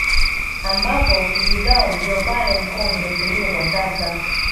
Ambapo ofisi zao ndio pale Mkonge hotelini kwa sasa